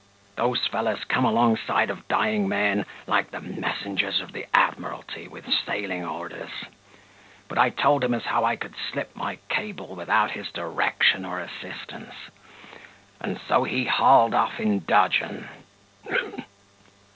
Those fellows come alongside of dying men, like the messengers of the Admiralty with sailing orders; but I told him as how I could slip my cable without his direction or assistance, and so he hauled off in dudgeon.